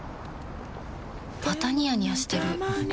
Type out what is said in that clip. またニヤニヤしてるふふ。